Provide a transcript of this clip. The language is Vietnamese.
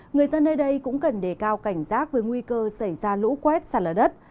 người dân nơi đây cũng cần đề cao cảnh giác với nguy cơ xảy ra lũ quét sạt lở đất